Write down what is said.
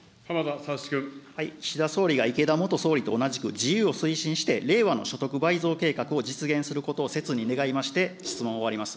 岸田総理が、池田元総理と同じく自由を推進して令和の所得倍増計画を実現することを、せつに願いまして、質問を終わります。